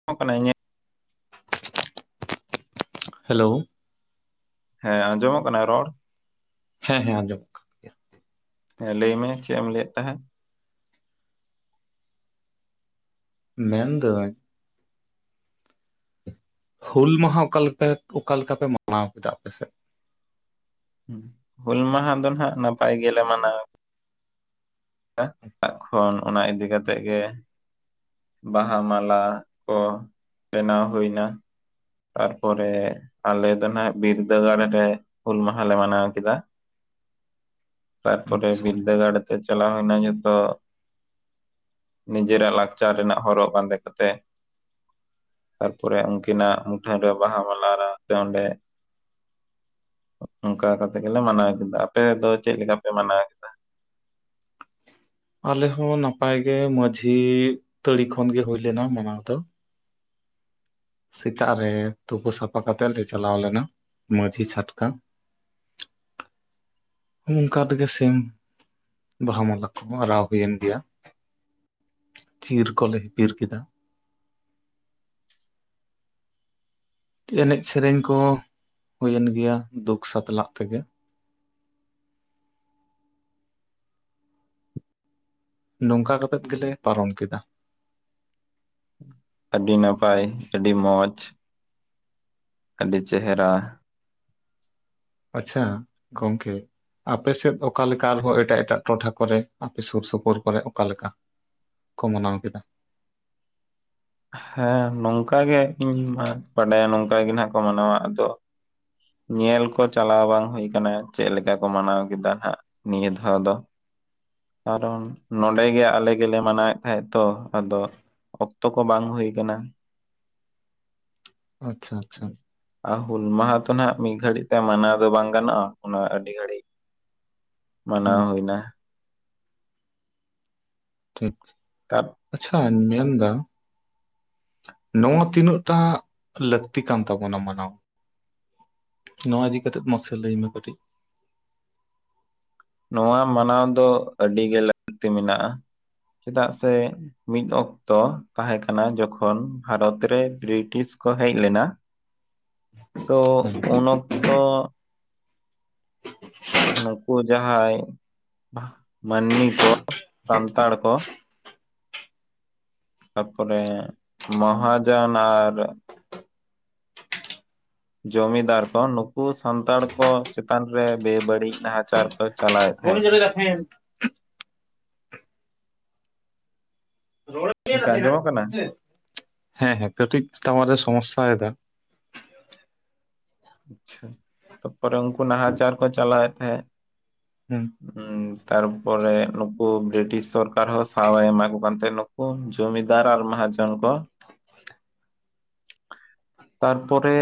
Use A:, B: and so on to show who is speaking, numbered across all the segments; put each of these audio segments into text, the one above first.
A: [inaudible]
B: Hello
A: ᱦᱮᱸ ᱟᱸᱡᱚᱢᱚᱜ ᱠᱟᱱᱟ ᱨᱚᱲ
B: ᱦᱮᱸ ᱦᱮᱸ ᱟᱡᱚᱢ
A: ᱦᱮᱸ ᱞᱟᱹᱭ ᱢᱮ ᱪᱮᱫ ᱮᱢ ᱞᱟᱹᱭᱮᱫ ᱛᱟᱦᱮᱸᱫ
B: ᱢᱮᱱ ᱫᱟᱹᱧ ᱦᱩᱞ ᱢᱟᱦᱟ ᱚᱠᱟ ᱞᱮᱠᱟ ᱚᱠᱟ ᱞᱮᱠᱟ ᱯᱮ ᱢᱟᱱᱟᱣ ᱠᱮᱫᱟ ᱟᱯᱮᱥᱮᱫ
A: ᱦᱩᱞ ᱢᱟᱦᱟ ᱫᱚ ᱱᱟᱦᱟᱜ ᱱᱟᱯᱟᱭ ᱜᱮᱞᱮ ᱢᱟᱱᱟᱣ ᱚᱲᱟᱜ ᱠᱷᱚᱱ ᱚᱱᱟ ᱤᱫᱤ ᱠᱟᱛᱮᱫ ᱜᱮ ᱵᱟᱦᱟ ᱢᱟᱞᱟ ᱠᱚ ᱵᱮᱱᱟᱣ ᱦᱩᱭ ᱮᱱᱟ ᱛᱟᱨᱯᱚᱨᱮ ᱟᱞᱮ ᱫᱚ ᱱᱟᱜ ᱵᱤᱨᱫᱟᱹᱜᱟᱲ ᱨᱮ ᱦᱩᱞ ᱢᱟᱦᱟᱞᱮ ᱢᱟᱱᱟᱣ ᱠᱮᱫᱟ ᱛᱟᱨᱯᱚᱨᱮ
B: ᱟᱪᱪᱷᱟ
A: ᱵᱤᱨᱞᱫᱟᱹᱜᱟᱲ ᱛᱮ ᱪᱟᱞᱟᱣ ᱦᱩᱭᱱᱟ ᱡᱚᱛᱚ᱾ ᱱᱤᱡᱮᱨᱟᱜ ᱞᱟᱠᱪᱟᱨ ᱨᱮᱱᱟᱜ ᱦᱚᱨᱚᱜ ᱵᱟᱸᱫᱮ ᱠᱟᱛᱮ ᱛᱟᱨᱯᱚᱨᱮ ᱩᱱᱠᱤᱱᱟᱜ ᱢᱩᱴᱷᱟᱹᱱ ᱨᱮ ᱵᱟᱦᱟ ᱢᱮᱞᱟ ᱨᱮ ᱥᱮ ᱚᱸᱰᱮ ᱚᱱᱠᱟ ᱠᱟᱛᱮᱜ ᱜᱮᱞᱮ ᱢᱟᱱᱟᱣ ᱠᱮᱫᱟ ᱟᱯᱮ ᱫᱚ ᱪᱮᱫ ᱞᱮᱠᱟ ᱯᱮ ᱢᱟᱱᱟᱣ ᱠᱮᱫᱟ
B: ᱟᱞᱮ ᱦᱚᱸ ᱱᱟᱯᱟᱭ ᱜᱮ ᱢᱟᱺᱡᱷᱤ ᱛᱟᱹᱲᱤ ᱠᱷᱚᱱᱜᱮ ᱦᱩᱭ ᱞᱮᱱᱟ ᱢᱟᱱᱟᱣ ᱫᱚ ᱥᱮᱛᱟᱜ ᱨᱮ ᱛᱩᱯᱩ ᱥᱟᱯᱷᱟ ᱠᱟᱛᱮᱫ ᱞᱮ ᱪᱟᱞᱟᱣ ᱞᱮᱱᱟ ᱢᱟᱺᱡᱷᱤ ᱪᱷᱟᱴᱠᱟ ᱚᱱᱠᱟ ᱛᱮᱜᱮ ᱥᱮᱢ ᱵᱟᱦᱟ ᱢᱟᱞᱟ ᱠᱚᱦᱚᱸ ᱟᱨᱟᱣ ᱦᱩᱭᱮᱱ ᱜᱮᱭᱟ ᱪᱤᱨ ᱠᱚᱞᱮ ᱦᱤᱯᱤᱨ ᱠᱮᱫᱟ ᱮᱱᱮᱡ ᱥᱮᱨᱮᱧ ᱠᱚ ᱦᱩᱭᱮᱱ ᱜᱮᱭᱟ ᱫᱩᱠ ᱥᱟᱛᱞᱟᱜ ᱛᱮᱜᱮ ᱱᱚᱝᱠᱟ ᱠᱟᱛᱮᱫ ᱜᱮᱞᱮ ᱯᱟᱨᱚᱢ ᱠᱮᱫᱟ᱾
A: ᱟᱹᱰᱤ ᱱᱟᱯᱟᱭ ᱟᱹᱰᱤ ᱢᱚᱡᱽ ᱟᱹᱰᱤ ᱪᱮᱦᱨᱟ
B: ᱟᱪᱪᱷᱟ ᱜᱚᱝᱠᱮ ᱟᱯᱮ ᱥᱮᱫ ᱚᱠᱟᱮ ᱞᱮᱠᱟ ᱟᱨᱦᱚᱸ ᱮᱴᱟᱜ ᱮᱴᱟᱜ ᱴᱚᱴᱷᱟ ᱠᱚᱨᱮ ᱟᱯᱮ ᱥᱩᱨ ᱥᱩᱯᱩᱨ ᱠᱚᱨᱮᱜ ᱚᱠᱟᱞᱮᱠᱟ? ᱠᱚ ᱢᱟᱱᱟᱣ ᱠᱮᱫᱟ?
A: ᱦᱮᱸ ᱱᱚᱝᱠᱟ ᱜᱮ ᱤᱧ ᱢᱟ ᱵᱟᱰᱟᱭᱟ ᱱᱚᱝᱠᱟ ᱜᱮ ᱱᱟᱱᱟᱜ ᱠᱚ ᱢᱟᱱᱟᱣᱟ ᱟᱫᱚ ᱧᱮᱞ ᱠᱚ ᱪᱟᱞᱟᱣ ᱵᱟᱝ ᱦᱩᱭ ᱠᱟᱱᱟ ᱪᱮᱜ ᱞᱮᱠᱟ ᱠᱚ ᱢᱟᱱᱟᱣ ᱠᱮᱫᱟ ᱦᱟᱸᱜ ᱱᱤᱭᱟᱹ ᱫᱷᱟᱣ ᱫᱚ? ᱠᱟᱨᱚᱱ ᱱᱚᱸᱰᱮ ᱜᱮ ᱟᱞᱮ ᱜᱮᱞᱮ ᱢᱟᱱᱟᱣᱮᱜ ᱛᱟᱦᱮᱸᱜ ᱛᱚ ᱟᱫᱚ ᱚᱠᱛᱚ ᱠᱚ ᱵᱟᱝ ᱦᱩᱭ ᱠᱟᱱᱟ᱾
B: ᱟᱪᱪᱷᱟ ᱟᱪᱪᱷᱟ
A: ᱟ ᱦᱩᱞ ᱢᱟᱦᱟ ᱛᱚ ᱱᱟᱦᱟᱜ ᱢᱤᱜ ᱜᱷᱟᱹᱲᱤᱡ ᱛᱮ ᱢᱟᱱᱟᱣ ᱫᱚ ᱵᱟᱝ ᱜᱟᱱᱚᱜᱼᱟ, ᱚᱱᱟ ᱟᱹᱰᱤ ᱜᱷᱟᱹᱲᱤᱡ ᱢᱟᱱᱟᱣ
B: ᱦᱩᱸ
A: ᱦᱩᱭᱱᱟ᱾
B: ᱴᱷᱤᱠ᱾
A: ᱛᱟᱯ
B: ᱟᱪᱪᱷᱟᱧ ᱢᱮᱱᱫᱟ ᱱᱚᱣᱟ ᱛᱤᱱᱟᱹᱜᱴᱟ ᱞᱟᱹᱠᱛᱤ ᱠᱟᱱ ᱛᱟᱵᱚᱱᱟ ᱢᱟᱱᱟᱣ? ᱱᱚᱣᱟ ᱤᱫᱤ ᱠᱟᱛᱮᱫ ᱢᱟᱥᱮ ᱞᱟᱹᱭ ᱢᱮ ᱠᱟᱹᱴᱤᱡ?
A: ᱱᱚᱣᱟ ᱢᱟᱱᱟᱣ ᱫᱚ ᱟᱹᱰᱤᱜᱮ ᱞᱟᱹᱠᱛᱤ ᱢᱮᱱᱟᱜᱼᱟ ᱪᱮᱫᱟᱜ ᱥᱮ ᱢᱤᱫ ᱚᱠᱛᱚ ᱛᱟᱦᱮᱸ ᱠᱟᱱᱟ ᱡᱚᱠᱷᱚᱱ ᱵᱷᱟᱨᱚᱛ ᱨᱮ ᱵᱨᱤᱴᱤᱥ ᱠᱚ ᱦᱮᱡ ᱞᱮᱱᱟ ᱛᱚ
B: ᱦᱮᱸ
A: ᱩᱱ ᱚᱠᱛᱚ ᱱᱩᱠᱩ ᱡᱟᱦᱟᱸᱭ ᱢᱟᱹᱱᱢᱤ ᱠᱚ ᱥᱟᱱᱛᱟᱲ ᱠᱚ ᱛᱟᱯᱚᱨᱮ ᱢᱚᱦᱟᱡᱚᱱ ᱟᱨ ᱡᱚᱢᱤᱫᱟᱨ ᱠᱚ ᱱᱩᱠᱩ ᱥᱟᱱᱛᱟᱲ ᱠᱚ ᱪᱮᱛᱟᱱ ᱨᱮ ᱵᱮᱵᱟᱹᱲᱤᱡ ᱱᱟᱦᱟᱪᱟᱨ ᱠᱚ ᱪᱟᱞᱟᱭᱮᱜ
B: [unintelligible] [unintelligible]
A: ᱜᱚᱝᱠᱮ ᱟᱸᱡᱚᱢᱚᱜ ᱠᱟᱱᱟ
B: ᱦᱮᱸ ᱦᱮᱸ ᱠᱟᱹᱴᱤᱡ ᱴᱟᱣᱟᱨᱮ ᱥᱚᱢᱚᱥᱥᱟᱭᱫᱟ᱾
A: ᱟᱪᱪᱷᱟ ᱛᱟᱯᱚᱨᱮ ᱩᱝᱠᱩ ᱱᱟᱦᱟᱪᱟᱨ ᱠᱚ ᱪᱟᱞᱟᱣᱮᱜ ᱛᱟᱦᱮᱸᱜ᱾
B: ᱦᱩᱸ
A: ᱩᱸ ᱛᱟᱨᱯᱚᱨᱮ ᱱᱩᱠᱩ ᱵᱨᱤᱴᱤᱥ ᱥᱚᱨᱠᱟᱨ ᱦᱚᱸ ᱥᱟᱣᱮᱭ ᱮᱢᱟ ᱠᱚ ᱠᱟᱱ ᱛᱟᱦᱮᱸ ᱱᱩᱠᱩ ᱡᱚᱢᱤᱫᱟᱨ ᱟᱨ ᱢᱟᱦᱟᱡᱚᱱ ᱠᱚ᱾ ᱛᱟᱨᱯᱚᱨᱮ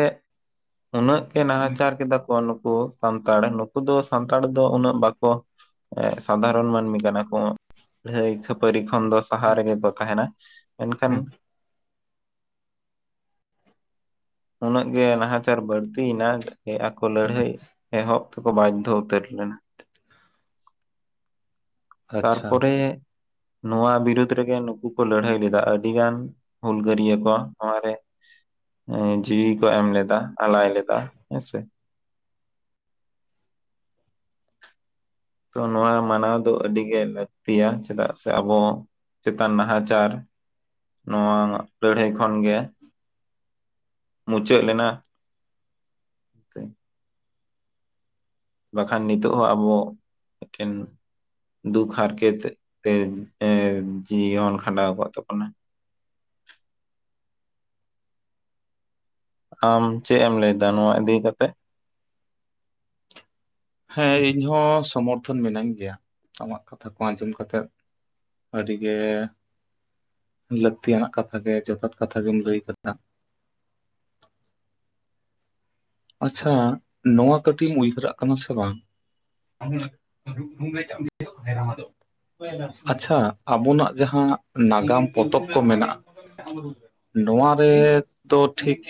A: ᱩᱱᱟᱹᱜ ᱜᱮ ᱱᱟᱦᱟᱪᱟᱨ ᱠᱮᱫᱟ ᱠᱚ ᱱᱩᱠᱩ ᱥᱟᱱᱛᱟᱲ ᱱᱩᱠᱩ ᱫᱚ ᱥᱟᱱᱛᱟᱲ ᱫᱚ ᱩᱱᱟᱹᱜ ᱵᱟᱠᱚ ᱮ ᱥᱟᱫᱷᱟᱨᱚᱱ ᱢᱟᱹᱱᱢᱤ ᱠᱟᱱᱟ ᱠᱚ ᱦᱟᱹᱭ ᱠᱷᱟᱹᱯᱟᱹᱨᱤ ᱠᱷᱚᱱ ᱫᱚ ᱥᱟᱦᱟ ᱨᱮᱜᱮ ᱠᱚ ᱛᱟᱦᱮᱱᱟ, ᱢᱮᱱᱠᱷᱟᱱ
B: ᱦᱮᱸ
A: ᱩᱱᱟᱹᱜ ᱜᱮ ᱱᱟᱦᱟᱪᱟᱨ ᱵᱟᱹᱲᱛᱤᱭᱱᱟ [inaudible] ᱟᱠᱚ ᱞᱟᱹᱲᱦᱟᱹᱭ ᱮᱦᱚᱵ ᱛᱮᱠᱚ ᱵᱟᱫᱽᱫᱷᱚ ᱩᱛᱟᱹᱨ ᱞᱮᱱᱟ᱾
B: ᱟᱪᱪᱷᱟ
A: ᱛᱟᱨᱯᱚᱨᱮ ᱱᱚᱣᱟ ᱵᱤᱨᱩᱫ ᱨᱮᱜᱮ ᱱᱩᱠᱩ ᱠᱚ ᱞᱟᱹᱲᱦᱟᱹᱭ ᱞᱮᱫᱟ ᱟᱹᱰᱤ ᱜᱟᱱ ᱦᱩᱞᱜᱟᱹᱨᱤᱭᱟᱹ ᱠᱚ ᱱᱚᱣᱟ ᱨᱮ ᱮᱸ ᱡᱤᱣᱤ ᱠᱚ ᱮᱢ ᱞᱮᱫᱟ ᱟᱞᱟᱭ ᱞᱮᱫᱟ ᱦᱮᱸᱥᱮ᱾ ᱛᱚ ᱱᱚᱣᱟ ᱢᱟᱱᱟᱣ ᱫᱚ ᱟᱹᱰᱤᱜᱮ ᱞᱟᱹᱠᱛᱤᱭᱟ ᱪᱮᱫᱟᱜ ᱥᱮ ᱟᱵᱚ ᱪᱮᱛᱟᱱ ᱱᱟᱦᱟᱪᱟᱨ ᱱᱚᱣᱟ ᱞᱟᱹᱲᱦᱟᱹᱭ ᱠᱷᱚᱱᱜᱮ ᱢᱩᱪᱟᱹᱜ ᱞᱮᱱᱟ᱾ ᱛᱮ ᱵᱟᱠᱷᱟᱱ ᱱᱤᱛᱚᱜ ᱦᱚᱸ ᱟᱵᱚ ᱮᱠᱮᱱ ᱫᱩᱠ ᱦᱟᱨᱠᱮᱛ ᱛᱮ ᱮᱸ ᱡᱤᱭᱚᱱ ᱠᱷᱟᱸᱰᱟᱣ ᱠᱚᱜ ᱛᱟᱵᱚᱱᱟ᱾ ᱟᱢ ᱪᱮᱜ ᱮᱢ ᱞᱟᱹᱭᱫᱟ ᱱᱚᱣᱟ ᱤᱫᱤ ᱠᱟᱛᱮᱜ?
B: ᱦᱮᱸ ᱤᱧ ᱦᱚᱸ ᱥᱚᱢᱚᱨᱛᱷᱚᱱ ᱢᱤᱱᱟᱹᱧ ᱜᱮᱭᱟ ᱟᱢᱟᱜ ᱠᱟᱛᱷᱟ ᱠᱚ ᱟᱸᱡᱚᱢ ᱠᱟᱛᱮᱜ᱾ ᱟᱹᱰᱤᱜᱮ ᱞᱟᱹᱠᱛᱤᱭ ᱟᱱᱟᱜ ᱠᱟᱛᱷᱟ ᱜᱮ ᱡᱚᱛᱷᱟᱛ ᱠᱟᱛᱷᱟ ᱜᱮᱢ ᱞᱟᱹᱭ ᱠᱟᱫᱟ᱾ ᱟᱪᱪᱷᱟ ᱱᱚᱣᱟ ᱠᱟᱹᱴᱤᱡ ᱮᱢ ᱩᱭᱦᱟᱹᱨᱟᱜ ᱠᱟᱱᱟ ᱥᱮ ᱵᱟᱝ [unintelligible] ᱟᱪᱪᱷᱟ ᱟᱵᱚᱱᱟᱜ ᱡᱟᱦᱟᱸ ᱱᱟᱜᱟᱢ ᱯᱚᱛᱚᱵ ᱠᱚ ᱢᱮᱱᱟᱜ-ᱟ ᱱᱚᱣᱟ ᱨᱮ ᱫᱚ ᱴᱷᱤᱠ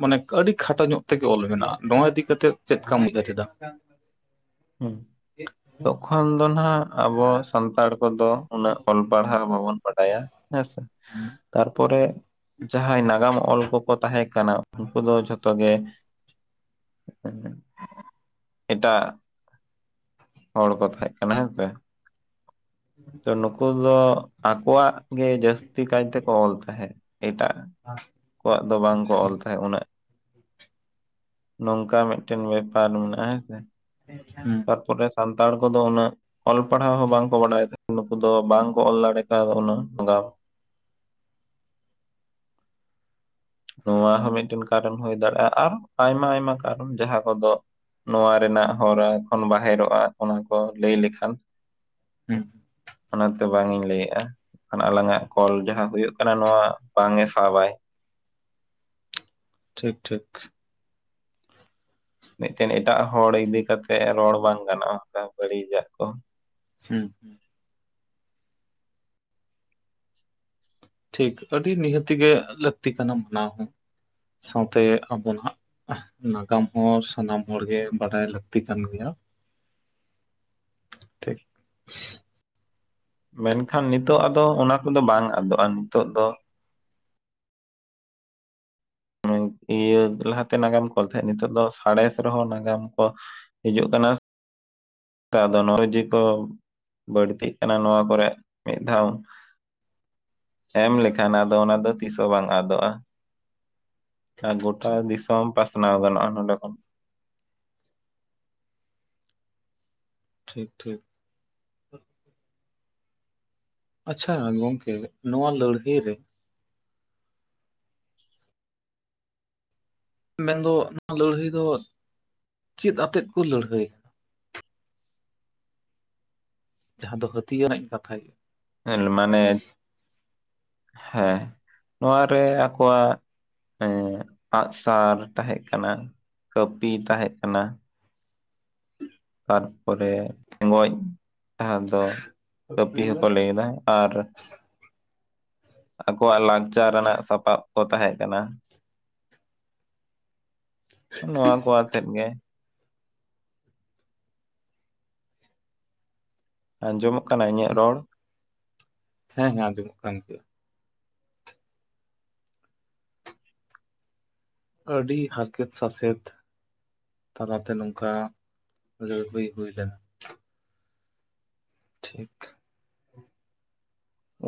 B: ᱢᱟᱱᱮ ᱟᱹᱰᱤ ᱠᱷᱟᱴᱚ ᱧᱚᱜ ᱛᱮᱜᱮ ᱚᱞ ᱢᱮᱱᱟᱜ-ᱟ ᱱᱚᱣᱟ ᱤᱫᱤ ᱠᱟᱛᱮ ᱪᱮᱫ ᱠᱟᱢ ᱩᱭᱦᱟᱹᱨ ᱮᱫᱟ?
A: ᱦᱩᱸ ᱛᱚᱠᱷᱚᱱ ᱫᱚ ᱱᱟᱦᱟᱜ ᱟᱵᱚ ᱥᱟᱱᱛᱟᱲ ᱠᱚᱫᱚ ᱩᱱᱟᱹᱜ ᱚᱞ ᱯᱟᱲᱦᱟᱣ ᱵᱟᱵᱚᱱ ᱵᱟᱰᱟᱭᱟ ᱦᱮᱸᱥᱮ
B: ᱦᱩᱸ,
A: ᱛᱟᱨ ᱯᱚᱨᱮ ᱡᱟᱦᱟᱸᱭ ᱱᱟᱜᱟᱢ ᱚᱞ ᱠᱚᱠᱚ ᱛᱟᱦᱮᱸ ᱠᱟᱱᱟ ᱩᱱᱠᱩ ᱫᱚ ᱡᱷᱚᱛᱚ ᱜᱮ [unintelligible] ᱮᱴᱟᱜ ᱦᱚᱲ ᱠᱚ ᱛᱟᱦᱮᱸᱜ ᱠᱟᱱᱟ ᱦᱮᱸᱥᱮ ᱾
B: [unintelligible]
A: ᱱᱩᱠᱩ ᱫᱚ ᱟᱠᱣᱟᱜ ᱜᱮ ᱡᱟᱹᱥᱛᱤ ᱠᱟᱭ ᱛᱮᱠᱚ ᱚᱞ ᱛᱟᱦᱮᱸᱫ, ᱮᱴᱟᱜ ᱠᱚᱣᱟᱜ ᱫᱚ ᱵᱟᱝᱠᱚ
B: ᱟᱪᱪᱷᱟ
A: ᱚᱞ ᱛᱟᱦᱮᱸᱫ ᱩᱱᱟᱹᱜ, ᱱᱚᱝᱠᱟ ᱢᱤᱫᱴᱮᱱ ᱵᱮᱯᱟᱨ ᱢᱮᱱᱟᱜ-ᱟ ᱦᱮᱸᱥᱮ᱾
B: [unintelligible]
A: ᱛᱟᱨᱯᱚᱨᱮ ᱥᱟᱱᱛᱟᱲ ᱠᱚᱫᱚ ᱩᱱᱟᱹᱜ ᱚᱞ ᱯᱟᱲᱦᱟᱣ ᱦᱚᱸ ᱵᱟᱝ ᱠᱚ ᱵᱟᱰᱟᱭ ᱛᱟᱦᱮᱸ ᱱᱩᱠᱩ ᱫᱚ ᱵᱟᱝᱠᱚ ᱚᱞ ᱫᱟᱲᱮ ᱠᱟᱣᱫᱟ ᱩᱱᱟᱹᱜ [inaudible] ᱱᱚᱣᱟ ᱦᱚᱸ ᱢᱤᱫᱴᱮᱱ ᱠᱟᱨᱚᱱ ᱦᱩᱭ ᱫᱟᱲᱮᱭᱟᱜ-ᱟ ᱟᱨᱚᱸ ᱟᱭᱢᱟ ᱟᱭᱢᱟ ᱠᱟᱨᱚᱱ ᱡᱟᱦᱟᱸ ᱠᱚᱫᱚ ᱱᱚᱣᱟ ᱨᱮᱱᱟᱜ ᱦᱚᱨᱟ ᱠᱷᱚᱱ ᱵᱟᱦᱮᱨᱚᱜ-ᱟ ᱚᱱᱟ ᱠᱚ ᱞᱟᱹᱭ ᱞᱮᱠᱷᱟᱱ
B: [inaudible]
A: ᱚᱱᱟᱛᱮ ᱵᱟᱝ ᱤᱧ ᱞᱟᱹᱭᱮᱫ-ᱟ ᱾ [inaudible] ᱟᱞᱟᱝᱟᱜ ᱠᱚᱞ ᱡᱟᱦᱟᱸ ᱦᱩᱭᱩᱜ ᱠᱟᱱᱟ ᱱᱚᱣᱟ ᱵᱟᱝ ᱮ ᱥᱟᱵᱟᱭ
B: ᱴᱷᱤᱠ ᱴᱷᱤᱠ ᱾
A: ᱢᱤᱫᱴᱮᱱ ᱮᱴᱟᱜ ᱦᱚᱲ ᱤᱫᱤ ᱠᱟᱛᱮᱜ ᱨᱚᱲ ᱵᱟᱝ ᱜᱟᱱᱚᱜ-ᱟ ᱚᱱᱠᱟ ᱵᱟᱹᱲᱤᱡᱟᱜ ᱠᱚ ᱾
B: ᱦᱩᱸ ᱦᱩᱸ ᱴᱷᱤᱠ ᱟᱹᱰᱤ ᱱᱤᱦᱟᱹᱛᱤ ᱜᱮ ᱞᱟᱹᱠᱛᱤ ᱠᱟᱱᱟ ᱢᱟᱱᱟᱣ ᱦᱚᱸ ᱥᱟᱶᱛᱮ ᱟᱵᱚᱱᱟᱜ ᱱᱟᱜᱟᱢ ᱦᱚᱸ ᱥᱟᱱᱟᱢ ᱦᱚᱲᱜᱮ ᱵᱟᱰᱟᱭ ᱞᱟᱹᱠᱛᱤ ᱠᱟᱱ ᱜᱮᱭᱟ᱾ ᱴᱷᱤᱠ ᱾
A: ᱢᱮᱱᱠᱷᱟᱱ ᱱᱤᱛᱚᱜ ᱟᱫᱚ ᱚᱱᱟ ᱠᱚᱫᱚ ᱵᱟᱝ ᱟᱫᱚᱜ-ᱟ ᱱᱤᱛᱚᱜ ᱫᱚ [inaudible] ᱤᱭᱟᱹ ᱞᱟᱦᱟᱛᱮ ᱱᱟᱜᱟᱢ ᱠᱚ ᱚᱞ ᱛᱟᱦᱮᱸᱫ ᱱᱤᱛᱚᱜ ᱫᱚ ᱥᱟᱬᱮᱥ ᱨᱮᱦᱚᱸ ᱱᱟᱜᱟᱢ ᱠᱚ ᱦᱤᱡᱩᱜ ᱠᱟᱱᱟ ᱟᱫᱚ [inaudible] ᱠᱚ ᱵᱟᱹᱲᱛᱤᱜ ᱠᱟᱱᱟ ᱱᱚᱣᱟ ᱠᱚᱨᱮ ᱢᱤᱫ ᱫᱷᱟᱣ ᱮᱢ ᱞᱮᱠᱷᱟᱱ ᱟᱫᱚ ᱚᱱᱟ ᱫᱚ ᱛᱤᱥ ᱦᱚᱸ ᱵᱟᱝ ᱟᱫᱚᱜ-ᱟ ᱾ ᱟᱨ ᱜᱚᱴᱟ
B: ᱴᱷᱤᱠ
A: ᱫᱤᱥᱚᱢ ᱯᱟᱥᱱᱟᱣ ᱜᱟᱱᱚᱜ-ᱟ ᱱᱚᱰᱮ ᱠᱷᱚᱱ ᱾
B: ᱴᱷᱤᱠ ᱴᱷᱤᱠ ᱾ ᱟᱪᱪᱷᱟ ᱜᱚᱝᱠᱮ ᱱᱚᱣᱟ ᱞᱟᱹᱲᱦᱟᱹᱭ ᱨᱮ ᱢᱮᱱᱫᱚ ᱱᱚᱣᱟ ᱞᱟᱹᱲᱦᱟᱹᱭ ᱫᱚ ᱪᱮᱫ ᱟᱛᱮᱫ ᱠᱚ ᱞᱟᱹᱲᱦᱟᱹᱭᱟ? ᱡᱟᱦᱟᱸ ᱫᱚ ᱦᱟᱹᱛᱭᱟᱹᱨ ᱨᱮᱱᱟᱜ ᱤᱧ ᱠᱟᱛᱷᱟᱭᱟ
A: [inaudible] ᱢᱟᱱᱮ ᱦᱮᱸ ᱱᱚᱣᱟᱨᱮ ᱟᱠᱚᱣᱟᱜ ᱮᱸ ᱟᱸᱜᱥᱟᱨ ᱛᱟᱦᱮᱸ ᱠᱟᱱᱟ ᱠᱟᱹᱯᱤ ᱛᱟᱦᱮᱸ ᱠᱟᱱᱟ ᱾ ᱛᱟᱨᱯᱚᱨᱮ ᱴᱸᱮᱜᱚᱡ ᱡᱟᱦᱟᱸ ᱫᱚ ᱠᱟᱹᱯᱤ ᱦᱚᱸᱠᱚ ᱞᱟᱹᱭᱫᱟ ᱾ ᱟᱨ ᱟᱠᱚᱣᱟᱜ ᱞᱟᱠᱪᱟᱨ ᱨᱮᱱᱟᱜ ᱥᱟᱯᱟᱯ ᱠᱚ ᱛᱟᱦᱮᱸ ᱠᱟᱱᱟ᱾ ᱱᱚᱣᱟ ᱠᱚ ᱣᱟᱛᱮᱫ ᱜᱮ ᱟᱸᱡᱚᱢᱚᱜ ᱠᱟᱱᱟ ᱤᱧᱟᱹᱜ ᱨᱚᱲ?
B: ᱦᱮᱸ ᱦᱮᱸ ᱟᱸᱡᱚᱢᱚᱜ ᱠᱟᱱᱟ ᱱᱤᱛᱚᱜ᱾ ᱟᱹᱰᱤ ᱦᱟᱨᱠᱮᱛ ᱥᱟᱥᱮᱛ ᱛᱟᱞᱟᱛᱮ ᱱᱚᱝᱠᱟ ᱞᱟᱹᱲᱦᱟᱹᱭ ᱦᱩᱭ ᱦᱩᱭ ᱞᱮᱱᱟ᱾ ᱴᱷᱤᱠ᱾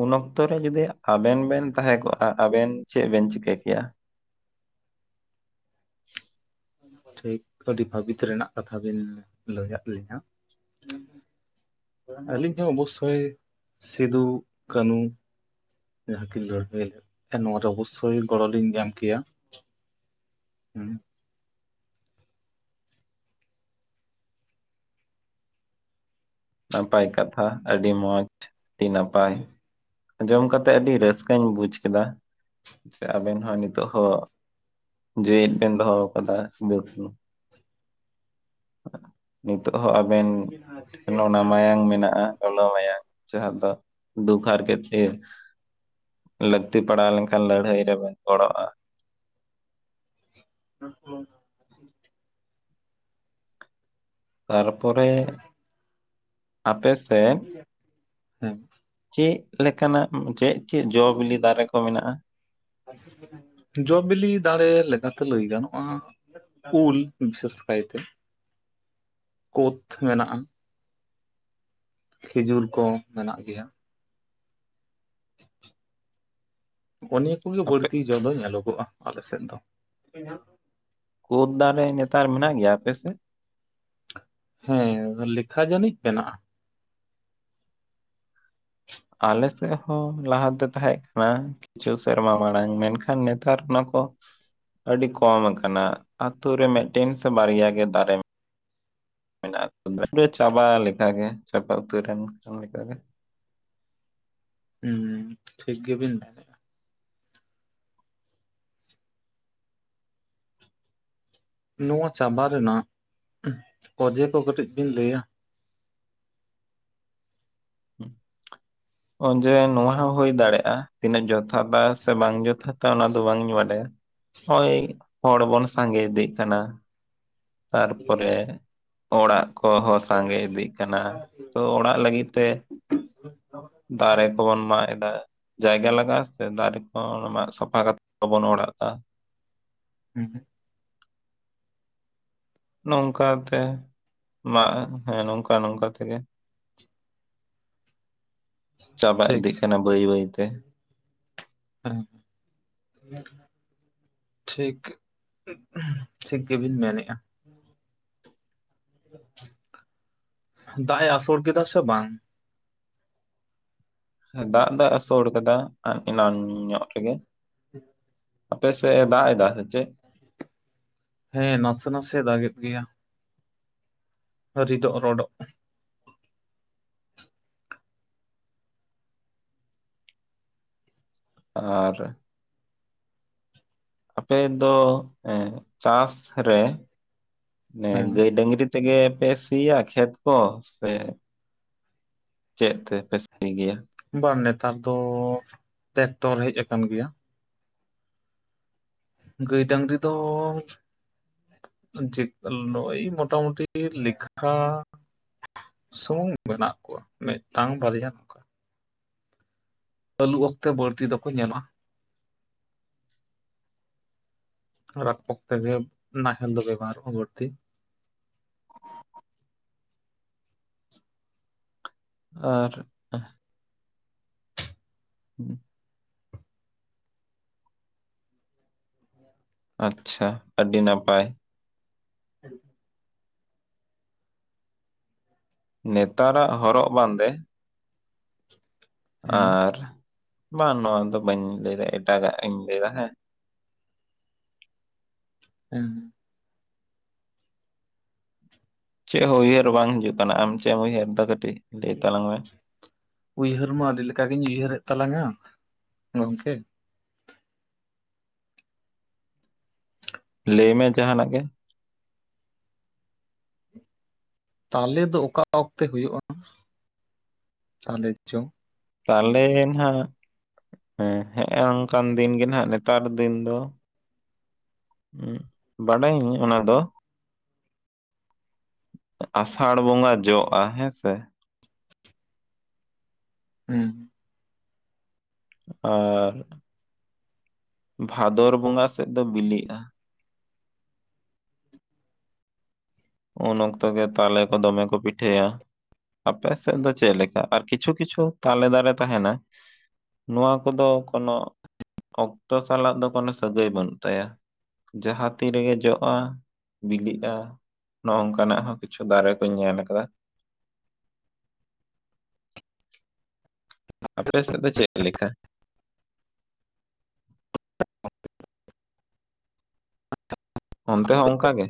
A: ᱩᱱ ᱚᱠᱛᱚ ᱨᱮ ᱡᱩᱫᱤ ᱟᱵᱮᱱ ᱵᱮᱱ ᱛᱟᱦᱮᱸ ᱠᱚᱜᱼᱟ ᱟᱵᱮᱱ ᱪᱮᱫ ᱵᱮᱱ ᱪᱤᱠᱟᱹ ᱠᱮᱭᱟ?
B: ᱴᱷᱤᱠ ᱟᱹᱰᱤ ᱵᱷᱟᱹᱵᱤᱛ ᱨᱮᱱᱟᱜ ᱠᱟᱛᱷᱟ ᱵᱤᱱ ᱞᱟᱹᱭᱟᱭᱟᱜ ᱞᱤᱧᱟᱹ᱾ ᱟᱹᱞᱤᱧ ᱦᱚᱸ ᱚᱵᱚᱥᱥᱳᱭ ᱥᱤᱫᱩ ᱠᱟᱹᱱᱩ ᱡᱟᱦᱟᱸ ᱠᱤᱱ ᱞᱟᱹᱲᱦᱟᱹᱭ ᱞᱮᱫᱟ, ᱱᱚᱣᱟ ᱨᱮ ᱚᱵᱚᱥᱥᱳᱭ ᱜᱚᱲᱚ ᱞᱤᱧ ᱧᱟᱢ ᱠᱮᱭᱟ᱾ ᱦᱮᱸ᱾
A: ᱱᱟᱯᱟᱭ ᱠᱟᱛᱷᱟ, ᱟᱹᱰᱤ ᱢᱚᱸᱡᱽ, ᱟᱹᱰᱤ ᱱᱟᱯᱟᱭ ᱟᱸ ᱡᱚᱢ ᱠᱟᱛᱮᱜ ᱟᱹᱰᱤ ᱨᱟᱹᱥᱠᱟᱹᱧ ᱵᱩᱡᱽ ᱠᱮᱫᱟ ᱡᱴᱥᱮ ᱟᱵᱮᱱ ᱦᱚᱸ ᱱᱤᱛᱚᱜ ᱦᱚᱸ ᱡᱮᱣᱮᱫ ᱵᱮᱱ ᱫᱚᱦᱚ ᱟᱠᱟᱫᱟ ᱥᱤᱫᱩ ᱠᱟᱹᱱᱦᱩ᱾ ᱱᱤᱛᱚᱜ ᱦᱚᱸ ᱟᱵᱮᱱ
B: [inaudible]
A: ᱱᱚᱜ-ᱚ ᱱᱟ ᱢᱟᱭᱟᱝ ᱢᱮᱱᱟᱜᱼᱟ ᱞᱚᱞᱚ ᱢᱟᱭᱟᱝ, ᱡᱟᱦᱟᱸ ᱫᱚ ᱫᱩᱠ ᱦᱟᱨᱠᱮᱛ ᱤᱭᱟᱹ ᱞᱟᱹᱠᱛᱤ ᱯᱟᱲᱟᱣ ᱞᱮᱱᱠᱷᱟᱱ ᱞᱟᱹᱲᱦᱟᱹᱭ ᱨᱮᱵᱮᱱ ᱜᱚᱲᱚᱜᱼᱟ᱾
B: [inaudible]
A: ᱛᱟᱨᱯᱚᱨᱮ ᱟᱯᱮ ᱥ
B: ᱦᱮᱸ᱾
A: ᱪᱮᱫ ᱞᱮᱠᱟᱱᱟᱜ, ᱪᱮᱫ ᱪᱮᱫ ᱡᱚ ᱵᱤᱞᱤ ᱫᱟᱨᱮ ᱠᱚ ᱢᱮᱱᱟᱜᱼᱟ?
B: ᱡᱚ ᱵᱤᱞᱤ ᱫᱟᱲᱮ ᱞᱮᱠᱟᱛᱮ ᱞᱟᱹᱭ ᱜᱟᱱᱚᱜᱼᱟ ᱩᱞ ᱵᱤᱥᱮᱥ ᱠᱟᱭᱛᱮ᱾ ᱠᱳᱛ ᱢᱮᱱᱟᱜᱼᱟ, ᱠᱷᱤᱡᱩᱨ ᱠᱚ ᱢᱮᱱᱟᱜ ᱜᱮᱭᱟ᱾ ᱦᱚᱸᱜᱼᱚ ᱱᱤᱭᱟᱹ ᱠᱚᱜᱮ
A: ᱟᱯᱮ
B: ᱵᱟᱹᱲᱛᱤ ᱡᱚ ᱫᱚ ᱧᱮᱞᱚᱜᱚᱜᱼᱟ ᱟᱞᱮ ᱥᱮᱫ ᱫᱚ᱾
A: ᱠᱳᱫᱽ ᱫᱟᱨᱮ ᱱᱮᱛᱟᱨ ᱢᱮᱱᱟᱜ ᱜᱮᱭᱟ ᱟᱯᱮ ᱥᱮᱫ?
B: ᱦᱮᱸ ᱞᱮᱠᱷᱟ ᱡᱟᱹᱱᱤᱡ ᱢᱮᱱᱟᱜᱼᱟ᱾
A: ᱟᱞᱮ ᱥᱮᱫ ᱦᱚᱸ ᱞᱟᱦᱟᱛᱮ ᱛᱟᱦᱮᱸᱫ ᱠᱟᱱᱟ ᱪᱷᱩ ᱥᱮᱨᱢᱟ ᱢᱟᱲᱟᱝ, ᱢᱮᱱᱠᱷᱟᱱ ᱱᱮᱛᱟᱨ ᱚᱱᱟ ᱠᱚ- ᱟᱹᱰᱤ ᱠᱚᱢ ᱟᱠᱟᱱᱟ, ᱟᱛᱳ ᱨᱮ ᱢᱤᱫᱴᱮᱱ ᱥᱮ ᱵᱟᱨᱭᱟ ᱜᱮ ᱫᱟᱨᱮ ᱢᱮᱱᱟᱜᱼᱟ [unintelligible] ᱪᱟᱵᱟ ᱞᱮᱠᱟ ᱜᱮ ᱪᱟᱵᱟ ᱩᱛᱟᱹᱨᱮᱱ ᱞᱮᱠᱟᱜᱮ᱾
B: ᱦᱩᱸ ᱴᱷᱤᱠ ᱜᱮ ᱵᱤᱱ ᱢᱮᱱᱮᱜ ᱱᱚᱣᱟ ᱪᱟᱵᱟ ᱨᱮᱱᱟᱜ ᱚᱡᱮ ᱠᱚ ᱠᱟᱹᱴᱤᱡ ᱵᱤᱱ ᱞᱟᱹᱭᱟ?
A: ᱦᱮᱸ᱾ ᱚᱡᱮ ᱱᱚᱣᱟ ᱦᱚᱸ ᱦᱩᱭ ᱫᱟᱲᱮᱭᱟᱜᱼᱟ, ᱛᱤᱱᱟᱹᱜ ᱡᱚᱛᱷᱟᱛᱟ ᱥᱮ ᱵᱟᱝ ᱡᱚᱛᱷᱟᱛᱟ ᱚᱱᱟ ᱫᱚ ᱵᱟᱝ ᱤᱧ ᱵᱟᱰᱟᱭᱟ᱾ ᱦᱳᱭ ᱦᱚᱲ ᱵᱚᱱ ᱥᱟᱸᱜᱮ ᱤᱫᱤᱜ ᱠᱟᱱᱟ ᱛᱟᱨᱯᱚᱨᱮ ᱚᱲᱟᱜ ᱠᱚᱦᱚᱸ ᱥᱟᱸᱜᱮ ᱤᱫᱤᱜ ᱠᱟᱱᱟ ᱛᱚ ᱚᱲᱟᱜ ᱞᱟᱹᱜᱤᱫ ᱛᱮ
B: [inaudible]
A: ᱫᱟᱨᱮ ᱠᱚᱵᱚᱱ ᱢᱟᱜ ᱮᱫᱟ᱾ ᱡᱟᱭᱜᱟ ᱞᱟᱜᱟᱜᱼᱟ ᱥᱮ ᱫᱟᱨᱮ ᱠᱚ ᱚᱱᱟ ᱢᱟᱜ ᱥᱟᱯᱷᱟ ᱠᱟᱛᱮᱫ ᱵᱟᱵᱚᱱ ᱚᱲᱟᱜ ᱫᱟ
B: ᱦᱩᱸ ᱦᱩᱸ᱾
A: ᱱᱚᱝᱠᱟ ᱛᱮ ᱢᱟᱜ, ᱦᱮᱸ ᱱᱚᱝᱠᱟ ᱱᱚᱝᱠᱟ ᱛᱮᱜᱮ
B: [inaudible]
A: ᱪᱟᱵᱟ
B: ᱴᱷᱤᱠ
A: ᱤᱫᱤᱜ ᱠᱟᱱᱟ ᱵᱟᱹᱭ ᱵᱟᱹᱭ ᱛᱮ
B: ᱦᱮᱸ [inaudible] ᱴᱷᱤᱠ ᱴᱷᱤᱠ ᱜᱮᱵᱤᱱ ᱢᱮᱱᱮᱫᱼᱟ᱾ ᱫᱟᱜ ᱮ ᱟᱥᱚᱲ ᱠᱮᱫᱟ ᱥᱮ ᱵᱟᱝ?
A: ᱦᱮᱸ ᱫᱟᱜ ᱫᱚᱭ ᱟᱥᱳᱲ ᱠᱟᱫᱟ ᱮᱱᱟᱱ ᱧᱚᱜ ᱨᱮᱜᱮ
B: ᱦᱮᱸ᱾
A: ᱟᱯᱮ ᱥᱮᱫ ᱮ ᱫᱟᱜ ᱮᱫᱟ ᱥᱮ ᱪᱮ?
B: ᱦᱮᱸ ᱱᱟᱥᱮ ᱱᱟᱥᱮ ᱫᱟᱜᱮᱫ ᱜᱮᱭᱟ᱾ ᱨᱤᱰᱚᱜ ᱨᱚᱰᱚᱜ
A: ᱟᱨ ᱟᱯᱮᱫ ᱫᱚ, ᱮ ᱪᱟᱥ ᱨᱮ,
B: ᱦᱮᱸ
A: ᱜᱟᱹᱭ ᱰᱟᱹᱝᱨᱤ ᱛᱮᱜᱮ ᱯᱮ ᱥᱤᱭᱟ ᱠᱷᱮᱛ ᱠᱚ ᱥᱮ ᱪᱮᱫ ᱛᱮᱯᱮ ᱥᱤ ᱜᱮᱭᱟ?
B: ᱵᱟᱝ ᱱᱮᱛᱟᱨ ᱫᱚ ᱴᱮᱠᱴᱚᱨ ᱦᱮᱡ ᱠᱟᱱ ᱜᱮᱭᱟ᱾ ᱜᱟᱹᱭ ᱰᱟᱝᱨᱤ ᱫᱚ ᱡᱮᱠ ᱞᱚᱭ ᱢᱚᱴᱟ ᱢᱩᱴᱤ ᱞᱮᱠᱷᱟ ᱥᱩᱢᱩᱝ ᱢᱮᱱᱟᱜ ᱠᱚᱣᱟ, ᱢᱤᱫᱴᱟᱝ ᱵᱟᱨᱭᱟ ᱱᱚᱝᱠᱟ ᱟᱹᱞᱩ ᱚᱠᱛᱮ ᱵᱟᱹᱲᱛᱤ ᱫᱚᱠᱚ ᱧᱮᱞᱚᱜᱼᱟ᱾ ᱨᱟᱯ ᱚᱠᱛᱮ ᱜᱮ ᱱᱟᱦᱮᱞ ᱫᱚ ᱵᱮᱵᱟᱨᱚ ᱟ ᱵᱟᱹᱲᱛᱤ᱾
A: ᱟᱨ [inaudible] ᱟᱪᱪᱷᱟ ᱟᱹᱰᱤ ᱱᱟᱯᱟᱭ᱾
B: ᱦᱮᱸ᱾
A: ᱱᱮᱛᱟᱨᱟᱜ ᱦᱚᱨᱚᱜ ᱵᱟᱸᱫᱮ
B: ᱦᱮᱸ
A: ᱟᱨ ᱵᱟᱝ ᱱᱚᱣᱟ ᱫᱚ ᱵᱟᱹᱧ ᱞᱟᱹᱭᱫᱟ ᱮᱴᱟᱜᱟ ᱤᱧ ᱞᱟᱹᱭ ᱫᱟ ᱦᱮᱸ
B: ᱦᱮᱸ᱾
A: ᱪᱮ ᱦᱚᱸ ᱩᱭᱦᱟᱹᱨ ᱵᱟᱝ ᱦᱤᱡᱩᱜ ᱠᱟᱱᱟ ᱟᱢ ᱪᱮᱫ ᱮᱢ ᱩᱭᱦᱟᱹᱨ ᱫᱟ ᱠᱟᱹᱴᱤᱡ ᱞᱟᱹᱭ ᱛᱟᱞᱟᱝ ᱢᱮ
B: ᱩᱭᱦᱟᱹᱨ ᱢᱟ ᱟᱹᱰᱤᱞ ᱞᱮᱠᱟ ᱜᱤᱧ ᱩᱭᱦᱟᱹᱨᱮᱫ ᱛᱟᱞᱟᱝᱟ ᱜᱚᱝᱠᱮ
A: ᱞᱟᱹᱭᱢᱮ ᱡᱟᱦᱟᱸ ᱱᱟᱜ ᱜᱮ
B: ᱛᱟᱞᱮ ᱫᱚ ᱚᱠᱟ ᱚᱠᱛᱮ ᱦᱩᱭᱩᱜᱼᱟ, ᱛᱟᱞᱮ ᱡᱚᱢ
A: ᱛᱟᱞᱮ ᱱᱟᱜ ᱦᱮᱸ ᱚᱱᱠᱟᱱ ᱫᱤᱱ ᱜᱮ ᱱᱟᱜ ᱱᱮᱛᱟᱨ ᱫᱤᱱ ᱫᱚ ᱦᱩ ᱵᱟᱰᱟᱭᱤᱧ ᱚᱱᱟ ᱫᱚ᱾ ᱟᱥᱟᱲ ᱵᱚᱸᱜᱟ ᱡᱚᱜᱼᱟ ᱦᱮᱸ ᱥᱮ᱾
B: ᱩ
A: ᱟᱨ ᱵᱷᱟᱫᱚᱨ ᱵᱚᱸᱜᱟ ᱥᱮᱫ ᱫᱚ ᱵᱤᱞᱤᱜᱼᱟ᱾ ᱩᱱ ᱚᱠᱛᱚ ᱜᱮ, ᱛᱟᱞᱮ ᱠᱚ ᱫᱚᱢᱮ ᱠᱚ ᱯᱤᱴᱷᱟᱹᱭᱟ᱾ ᱟᱯᱮ ᱥᱮᱫ ᱫᱚ ᱪᱮᱫ ᱞᱮᱠᱟ, ᱟᱨ ᱠᱤᱪᱷᱩ ᱠᱤᱪᱷᱩ ᱛᱟᱞᱮ ᱫᱟᱨᱮ ᱛᱟᱦᱮᱱᱟ ᱱᱚᱣᱟ ᱠᱚᱫᱚ ᱠᱳᱱᱳ ᱚᱠᱛᱚ ᱥᱟᱞᱟᱜ ᱫᱚ ᱠᱳᱱᱳ ᱥᱟᱹᱜᱟᱹᱭ ᱵᱟᱹᱱᱩᱜ ᱛᱟᱭᱟ᱾ ᱡᱟᱦᱟᱸ ᱛᱤᱨᱮᱜᱮ ᱡᱚᱜᱼᱟ ᱵᱤᱞᱤᱜᱼᱟ᱾ ᱱᱚᱜ ᱱᱚᱝᱠᱟᱱᱟᱜ ᱦᱚᱸ, ᱠᱤᱪᱷᱩ ᱫᱟᱨᱮ ᱠᱚᱧ ᱧᱮᱞ ᱟᱠᱟᱫᱟ᱾ ᱟᱯ ᱥᱮᱫ ᱫᱚ ᱪᱮ ᱞᱮᱠᱟ ᱚᱱᱛᱮ ᱦᱚᱸ ᱚᱱᱠᱟ ᱜᱮ?